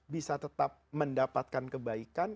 bisa tetap mendapatkan kebaikan